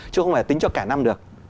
chứ không phải tính cho cả năm được